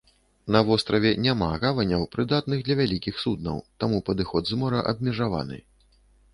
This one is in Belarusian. На востраве няма гаваняў, прыдатных для вялікіх суднаў, таму падыход з мора абмежаваны.